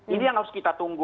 ini yang harus kita tunggu